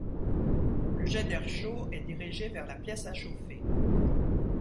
Le jet d'air chaud est dirigé vers la pièce à chauffer.